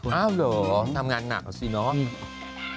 อ้าวเหรอทำงานหนักอ่ะสิเนาะ